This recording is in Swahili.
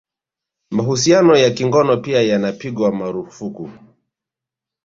Mahusiano ya kingono pia yanapigwa marufuku